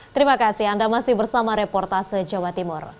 terima kasih anda masih bersama reportase jawa timur